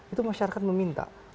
itu masyarakat meminta